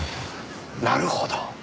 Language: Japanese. なるほど。